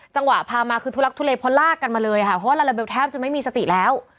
จังหวะพามาคือทุลักทุเลเพราะลากกันมาเลยค่ะเพราะว่าลาลาเบลแทบจะไม่มีสติแล้ว